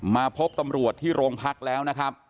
มาพบตำรวจที่โรงพักแล้วนะครับ